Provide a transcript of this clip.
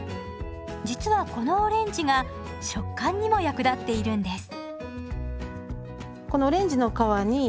実はこのオレンジが食感にも役立っているんです。